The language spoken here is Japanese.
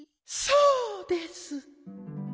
そうです。